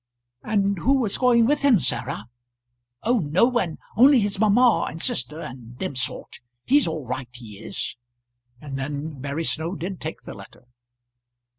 "And who was going with him, Sarah?" "Oh, no one. Only his mamma and sister, and them sort. He's all right he is." And then Mary Snow did take the letter.